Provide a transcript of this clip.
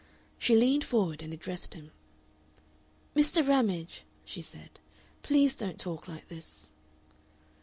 She leaned forward and addressed him. "Mr. Ramage," she said, "please don't talk like this."